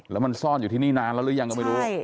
แล้วมันซ่อนอยู่ที่นี่นานแล้วหรือยังก็ไม่รู้